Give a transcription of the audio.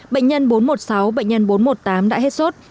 bệnh nhân bốn trăm một mươi sáu bệnh nhân bốn trăm một mươi tám đã hết sốt